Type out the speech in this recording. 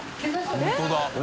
本当だ！